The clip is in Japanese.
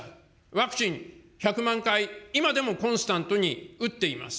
ワクチン１００万回、今でもコンスタントに打っています。